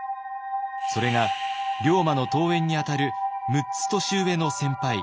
それが龍馬の遠縁にあたる６つ年上の先輩